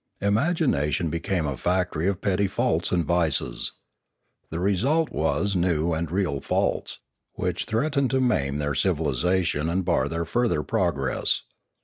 Imagination became a factory of petty faults and vices. The result was new and real faults, which threatened to maim their civilisation and bar their further progress.